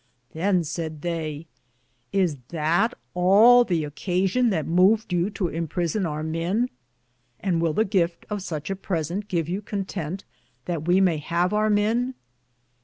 Then saide they : Is that all the occation that moved yow to Impreson our men? And will the gifte of suche a pre sente give you contente That we maye have our men